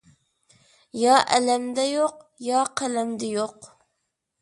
يا ئەلەمدە يوق، يا قەلەمدە يوق.